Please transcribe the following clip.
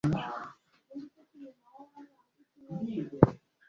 maze kigatuma intekerezo n’umubiri bigarura ubuyanja